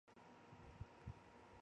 后龟山天皇在位。